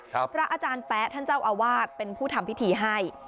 พระอาจารย์แป๊ะท่านเจ้าอาวาสเป็นผู้ทำพิธีให้